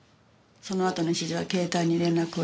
そのあとの指示は携帯に連絡を入れる。